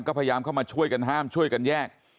ก็พยายามเข้ามาช่วยกันห้ามช่วยกันแยก